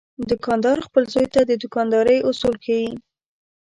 دوکاندار خپل زوی ته د دوکاندارۍ اصول ښيي.